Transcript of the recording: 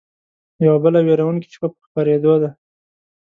يوه بله وېرونکې شپه په خپرېدو ده